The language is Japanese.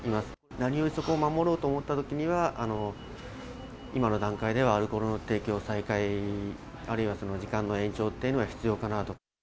何よりそこを守ろうと思ったときには、今の段階ではアルコールの提供再開、あるいは時間の延長というのは必要かなと。